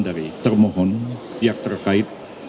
dari termohon pihak terkait